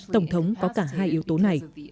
tổng thống có cả hai yếu tố này